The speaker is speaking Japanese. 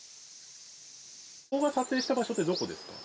撮影した場所ってどこですか。